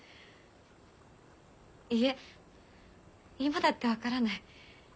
いいえ今だって分からない。